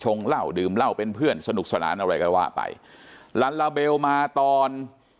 เหล้าดื่มเหล้าเป็นเพื่อนสนุกสนานอะไรก็ว่าไปลัลลาเบลมาตอน